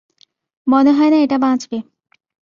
মনে হয় না এটা বাঁচবে।